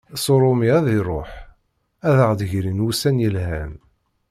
S urumi ar d iruḥ, ad aɣ-d-grin wussan yelhan.